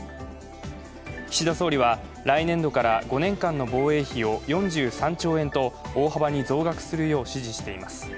岸田総理は来年度から５年間の防衛費を４３兆円と大幅に増額するよう指示しています。